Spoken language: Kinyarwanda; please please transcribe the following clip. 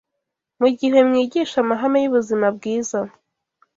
Mu gihe mwigisha amahame y’ubuzima bwiza